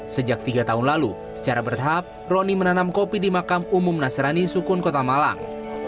sejak tiga tahun lalu secara bertahap roni menanam kopi di makam umum nasrani sukun kota malang